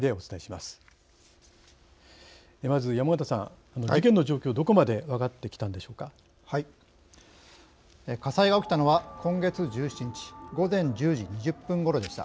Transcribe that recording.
まず山形さん事件の状況、どこまで火災が起きたのは今月１７日午前１０時２０分ごろでした。